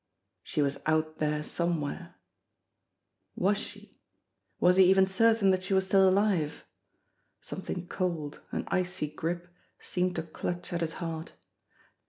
She was out there somewhere. Was she? Was he even certain that she was still alive? Something cold, an icy grip, seemed to clutch at his heart.